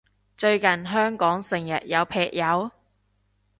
最近香港成日有劈友？